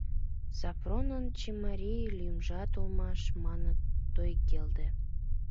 Софронын чимарий лӱмжат улмаш, маныт — Тойгелде.